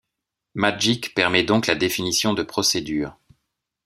Magik permet donc la définition de procedures.